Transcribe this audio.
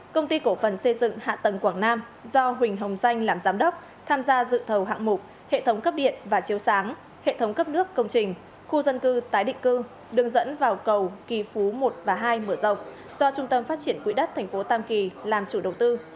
công ty cổ phần xây dựng hạ tầng quảng nam do huỳnh hồng danh làm giám đốc tham gia dự thầu hạng mục hệ thống cấp điện và chiếu sáng hệ thống cấp nước công trình khu dân cư tái định cư đường dẫn vào cầu kỳ phú một và hai mở rộng do trung tâm phát triển quỹ đất tp tam kỳ làm chủ đầu tư